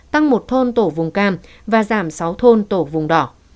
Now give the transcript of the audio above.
tăng một thôn tổ vùng cam và giảm sáu thôn tổ vùng đỏ